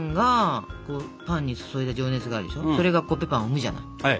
それがコッペパンを生むじゃない。